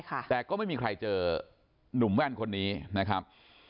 แต่ก็ไม่มีใครเจอหนุ่มแว่นคนนี้นะครับ